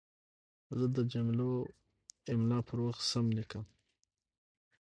زه د جملو املا پر وخت سم لیکم.